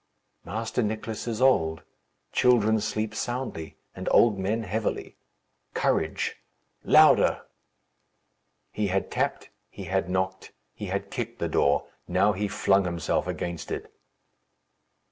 "Master Nicless is old, children sleep soundly, and old men heavily. Courage! louder!" He had tapped, he had knocked, he had kicked the door; now he flung himself against it.